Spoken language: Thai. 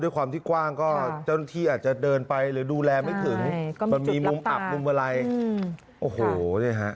ความที่กว้างก็เจ้าหน้าที่อาจจะเดินไปหรือดูแลไม่ถึงมันมีมุมอับมุมอะไรโอ้โหเนี่ยฮะ